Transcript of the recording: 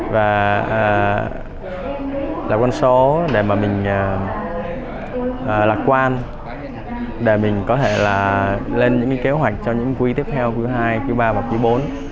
và là con số để mà mình lạc quan để mình có thể lên những kế hoạch cho những quy tiếp theo quý ii quý iii và quý iv